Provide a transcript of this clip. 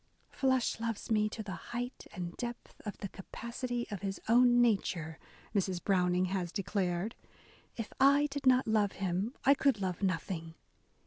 "Flush loves me to the height and depth of the capacity of his own nature," Mrs. Brown ing has declared, if I did not love him, I could love nothing